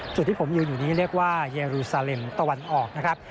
จุดที่ผมยืนอยู่นี้เรียกว่าเยรูซาเลมตะวันออกนะครับ